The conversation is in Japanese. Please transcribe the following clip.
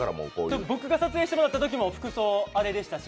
僕が撮影してもらったときも服装、あれでしたし